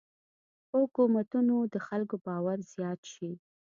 په حکومتونو د خلکو باور زیات شي.